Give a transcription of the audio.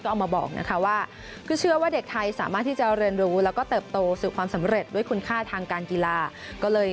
ออกมาบอกนะคะว่าคือเชื่อว่าเด็กไทยสามารถที่จะเรียนรู้แล้วก็เติบโตสู่ความสำเร็จด้วยคุณค่าทางการกีฬาก็เลย